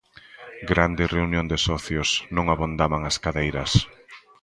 Grande reunión de socios, non abondaban as cadeiras.